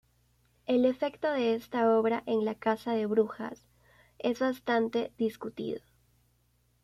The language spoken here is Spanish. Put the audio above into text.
El efecto de esta obra en la caza de brujas es bastante discutido.